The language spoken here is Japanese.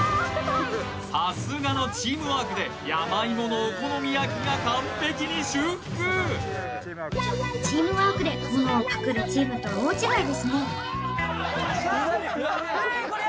さすがのチームワークで山芋のお好み焼きが完璧に修復チームワークでものをパクるチームとは大違いですねえ